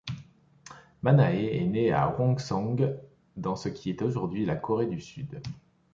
Manhae est né à Hongseong dans ce qui est aujourd'hui la Corée du Sud.